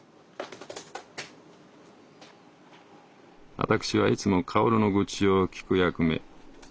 「ワタクシはいつも薫の愚痴を聞く役目。